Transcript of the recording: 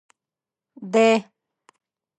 دی.